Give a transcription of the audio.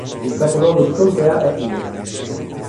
Il capoluogo di contea è Inez